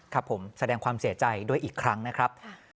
ครับผมแสดงความเสียใจด้วยอีกครั้งนะครับ